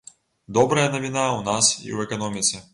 Добрая навіна ў нас і ў эканоміцы.